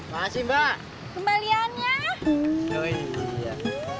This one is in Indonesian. masih mbak kembaliannya